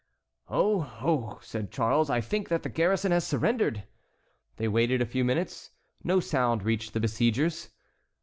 "Oh! oh!" said Charles, "I think that the garrison has surrendered." They waited a few minutes. No sound reached the besiegers.